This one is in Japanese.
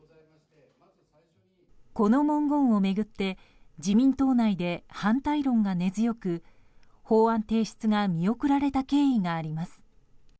この文言を巡って自民党内で反対論が根強く法案提出が見送られた経緯があります。